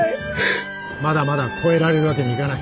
まだまだ超えられるわけにはいかない。